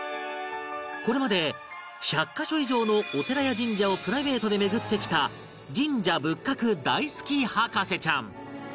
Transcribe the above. これまで１００カ所以上のお寺や神社をプライベートで巡ってきた神社仏閣大好き博士ちゃん